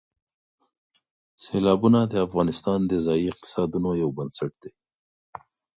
سیلابونه د افغانستان د ځایي اقتصادونو یو بنسټ دی.